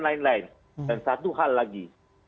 lain lain dan satu hal lagi